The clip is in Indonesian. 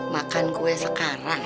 makan kue sekarang